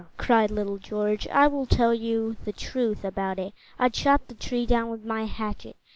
cried little George. "I will tell you the truth about it. I chopped the tree down with my hatchet."